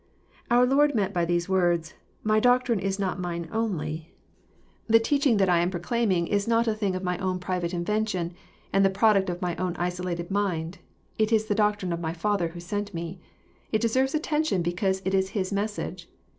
] Our Lord meant by these words, My doctrine is not mine only. The JOHN, CHAP. Vn. 19 teaching that I am proclairaiDg is not a thing c^^ny own private invention, and the product of my own isolated mind. It is the doctrine of mj^Father who"~5cnt me. It deserves attention because it is His message.